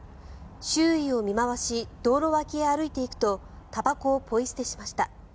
周囲を見回し道路脇へ歩いていくとたばこをポイ捨てしました。